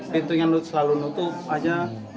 pintunya selalu nutup aja